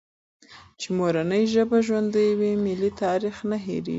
چي مورنۍ ژبه ژوندۍ وي، ملي تاریخ نه هېرېږي.